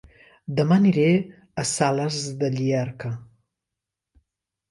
Dema aniré a Sales de Llierca